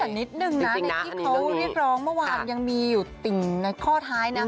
แต่นิดนึงนะในที่เขาเรียกร้องเมื่อวานยังมีอยู่ติ่งในข้อท้ายนะ